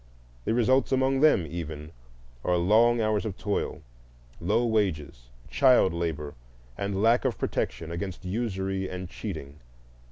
The results among them, even, are long hours of toil, low wages, child labor, and lack of protection against usury and cheating.